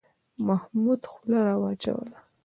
محمود خوله را وچوله.